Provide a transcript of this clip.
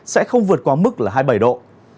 sẽ không vượt qua mức là hai mươi bảy độ